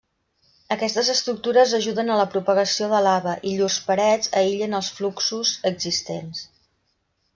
Aquestes estructures ajuden a la propagació de lava, i llurs parets aïllen els fluxos existents.